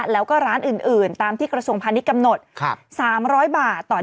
แล้วก็ร้านอื่นตามที่กระทรวงภัณฑ์นี้กำหนดครับ